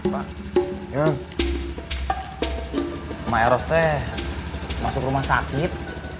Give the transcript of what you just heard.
pak pak eros masuk rumah sakit